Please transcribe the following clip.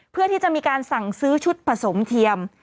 เพื่อที่จะมีการสั่งซื้อชุดผสมเทียม